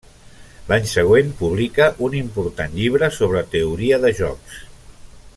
L’any següent publica un important llibre sobre Teoria de jocs.